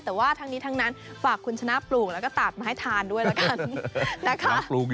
แต่ว่าทั้งนี้ทางนั้นฝากคุณชนะปลูกและตามให้ทานด้วยนะครับ